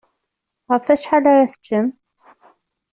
Ɣef wacḥal ara teččem?